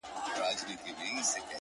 له څه مودې راهيسي داسـي يـمـه ـ